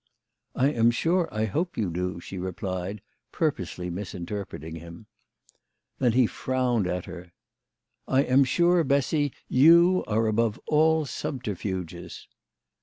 "I am sure I hope you do," she replied, purposely misinterpreting him. Then he frowned at her. " I am sure, Bessy, you are above all subterfuges."